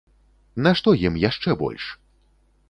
Нашто ім яшчэ больш?